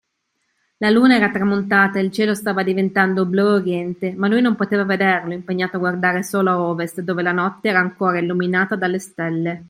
La Luna era tramontata e il cielo stava diventando blu a Oriente, ma lui non poteva vederlo, impegnato a guardare solo a Ovest, dove la notte era ancora illuminata dalle stelle.